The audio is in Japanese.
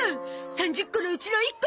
３０個のうちの１個！